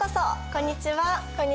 こんにちは。